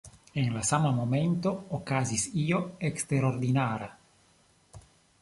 En la sama momento okazis io eksterordinara.